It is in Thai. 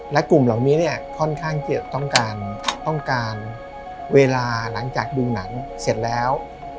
และกลุ่มเหล่านี้เนี่ยค่อนข้างต้องการเวลาหลังจากดูหนังเสร็จแล้ว